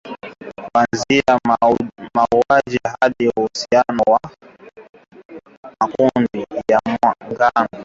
kuanzia mauaji hadi uhusiano na makundi ya wanamgambo